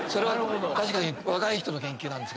確かに若い人の研究で。